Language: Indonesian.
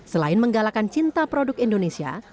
selain menggalakan cinta produk indonesia